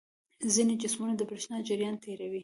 ځینې جسمونه د برېښنا جریان تیروي.